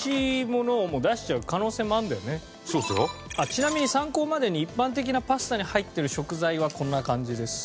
ちなみに参考までに一般的なパスタに入ってる食材はこんな感じです。